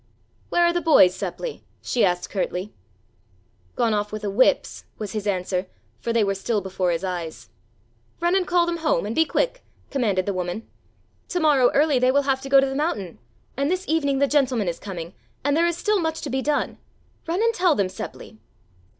"Where are the boys, Seppli?" she asked curtly. "Gone off with the whips," was the answer, for they were still before his eyes. "Run and call them home, and be quick," commanded the woman. "To morrow early they will have to go to the mountain, and this evening the gentleman is coming, and there is still much to be done. Run and tell them, Seppli!"